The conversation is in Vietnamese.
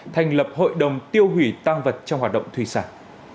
thành lập hội đồng tiêu hủy tăng vật trong hoạt động thủy sản